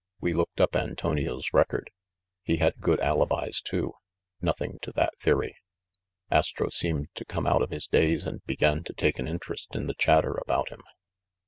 We looked up Antonio's record. He had good alibis, too. Nothing to that theory." Astro seemed to come out of his daze and began to take an interest in the chatter about him.